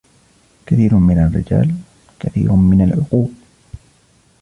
كَثير من الرِجال, كثير من العقول.